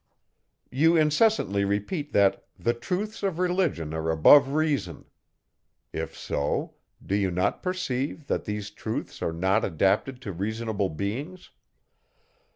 You incessantly repeat that the truths of religion are above reason. If so, do you not perceive, that these truths are not adapted to reasonable beings?